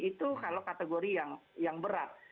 itu kalau kategori yang berat